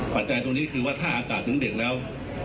จัยตรงนี้คือว่าถ้าอากาศถึงดึกแล้ว